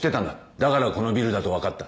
だからこのビルだと分かった。